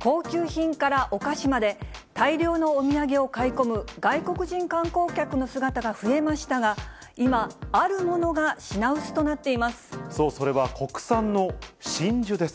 高級品からお菓子まで、大量のお土産を買い込む外国人観光客の姿が増えましたが、今、そう、それは国産の真珠です。